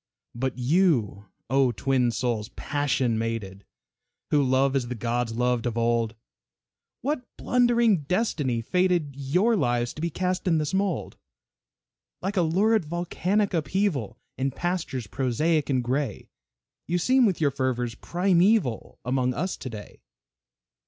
But you, O twin souls, passion mated, Who love as the gods loved of old, What blundering destiny fated Your lives to be cast in this mold? Like a lurid volcanic upheaval, In pastures prosaic and gray, You seem with your fervors primeval, Among us to day.